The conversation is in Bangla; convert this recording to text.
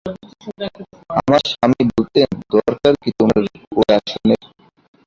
আমার স্বামী বলতেন, দরকার কী তোমার ঐ আসনের?